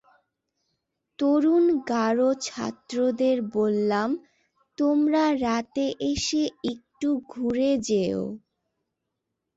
তরুণ গারো ছাত্রদের বললাম, তোমরা রাতে এসে একটু ঘুরে যেয়ো।